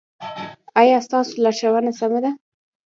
ایا ستاسو لارښوونه سمه ده؟